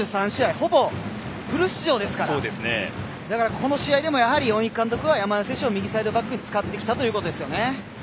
ほぼフル出場ですから、だからこの試合でもやはり鬼木監督は山根選手をサイドバックで使ってきたということですね。